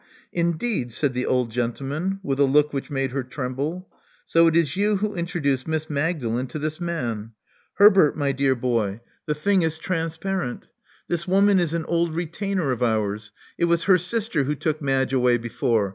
Indeed!" said the old gentleman, with a look which made her tremble. So it is you who introduced Miss Magdalen to this man. Herbert, my dear boy, the Love Among the Artists 141 thing is transparent. This woman is an old retainer of ours. It was her sister who took Madge away before.